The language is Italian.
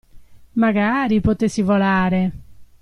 Magari potessi volare!